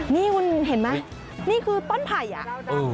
นี่คุณเห็นไหมนี่คือต้นไผ่อ่ะ